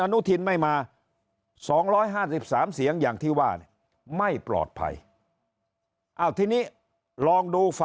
อนุทินไม่มา๒๕๓เสียงอย่างที่ว่าเนี่ยไม่ปลอดภัยทีนี้ลองดู